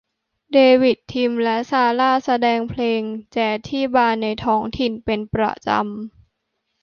เดวิด ทิม และซาร่าห์แสดงเพลงแจ๊ซที่บาร์ในท้องถิ่นเป็นประจำ